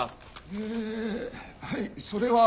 えはいそれは。